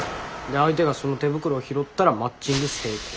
で相手がその手袋を拾ったらマッチング成功。